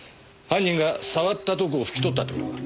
犯人が触ったとこを拭き取ったって事か？